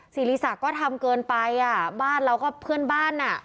ศิริศักดิ์ก็ทำเกินไปอ่ะบ้านเราก็เพื่อนบ้านอ่ะ